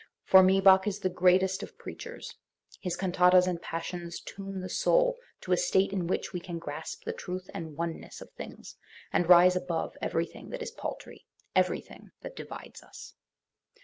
For me, Bach is the greatest of preachers, His cantatas and Passions tune the soul to a state in which we can grasp the truth and oneness of things, and rise above everything that is paltry, everything that divides us.